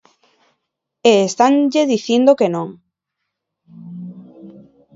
E estanlle dicindo que non.